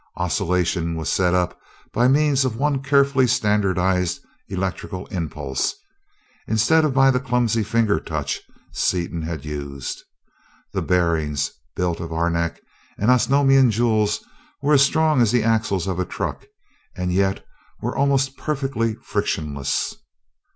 Oscillation was set up by means of one carefully standardized electrical impulse, instead of by the clumsy finger touch Seaton had used. The bearings, built of arenak and Osnomian jewels, were as strong as the axles of a truck and yet were almost perfectly frictionless.